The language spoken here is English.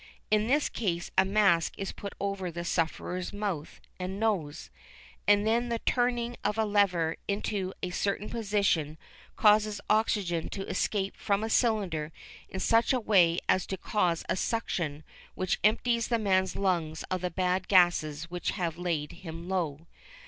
In this case a mask is put over the sufferer's mouth and nose, and then the turning of a lever into a certain position causes oxygen to escape from a cylinder in such a way as to cause a suction which empties the man's lungs of the bad gases which have laid him low.